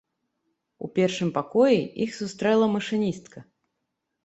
У першым пакоі іх сустрэла машыністка.